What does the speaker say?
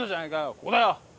ここだよ！